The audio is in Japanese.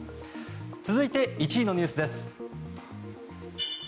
続いて、１位のニュースです。